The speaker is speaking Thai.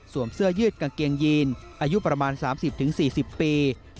เสื้อยืดกางเกงยีนอายุประมาณ๓๐๔๐ปี